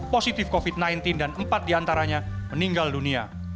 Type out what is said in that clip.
positif covid sembilan belas dan empat diantaranya meninggal dunia